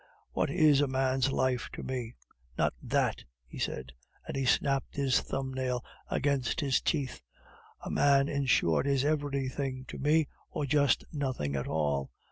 What is a man's life to me? Not that," he said, and he snapped his thumb nail against his teeth. "A man, in short, is everything to me, or just nothing at all.